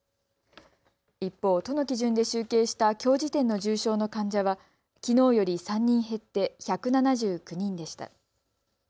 一方、都の基準で集計したきょう時点の重症の患者はきのうより３人減って１７９人でした。